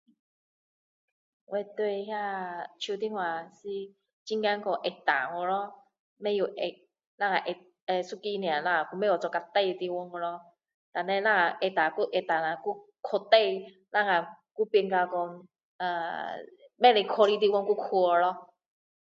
我对那手电话是最怕去按错掉咯不会按等下按一个而已等下不知做到哪里去咯然后按下等下按下又不知道去哪里等下又变到说不可以去的地方又去了咯